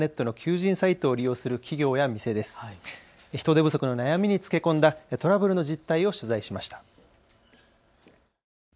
人手不足の悩みにつけ込んだトラブルの実態を取材しました。